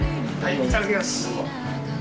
いただきます。